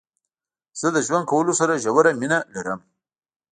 زه د ژوند کولو سره ژوره مينه لرم.